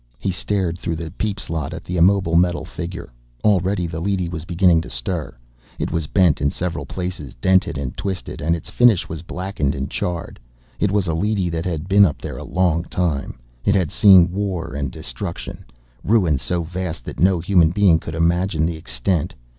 He stared through the peep slot at the immobile metal figure. Already the leady was beginning to stir. It was bent in several places, dented and twisted, and its finish was blackened and charred. It was a leady that had been up there a long time; it had seen war and destruction, ruin so vast that no human being could imagine the extent.